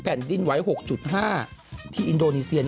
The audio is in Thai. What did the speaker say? แผ่นดินไหว๖๕ที่อินโดนีเซีย